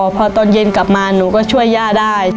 พอตอนเย็นกลับมาหนูก็ช่วยย่าได้